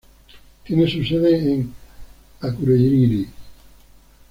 Tiene su sede en Akureyri.